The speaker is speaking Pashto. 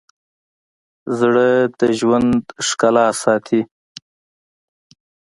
زړه د ژوند ښکلا ساتي.